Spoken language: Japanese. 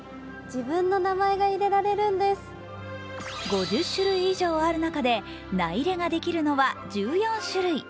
５０種類以上ある中で、名入れができるのは１４種類。